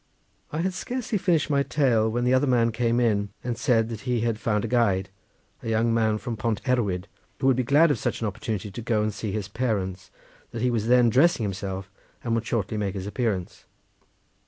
I had scarcely finished my tale when the other man came in and said that he had found a guide, a young man from Pont Erwyd, who would be glad of such an opportunity to go and see his parents; that he was then dressing himself and would shortly make his appearance.